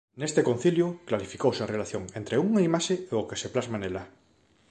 Neste concilio clarificouse a relación entre unha imaxe e o que se plasma nela.